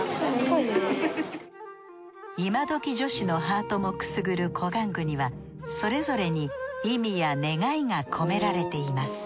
いまどき女子のハートもくすぐる小玩具にはそれぞれに意味や願いが込められています。